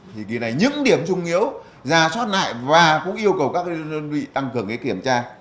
thì những điểm trung yếu ra soát lại và cũng yêu cầu các nhân viên tăng cường kiểm tra